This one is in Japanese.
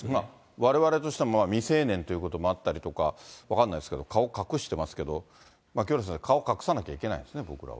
われわれとしても未成年ということもあったりとか、分からないですけど、顔隠してますけど、清原先生、顔隠さなきゃいけないですね、僕らは。